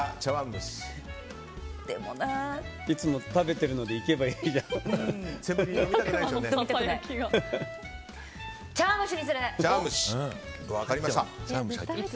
いつも食べてるのでいけばいいじゃない。